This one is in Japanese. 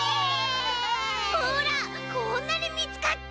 ほらこんなにみつかった。